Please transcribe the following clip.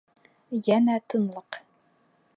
Йәнә тынлыҡ.